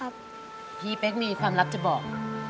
พี่เป๊กมีความลับจะบอก